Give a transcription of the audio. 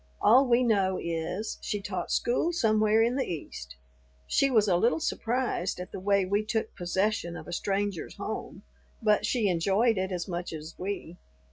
All we know is, she taught school somewhere in the East. She was a little surprised at the way we took possession of a stranger's home, but she enjoyed it as much as we.